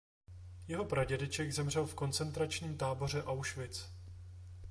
Jeho pradědeček zemřel v koncentračním táboře Auschwitz.